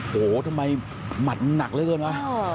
โอ้โฮทำไมหมัดมันนักเลยละ